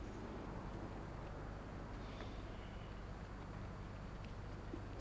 dia juga mengalami kecelakaan